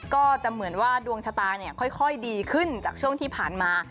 ก็จะเหมือนว่าดวงชะตาค่อยดีขึ้นจากช่วงที่ผ่านมา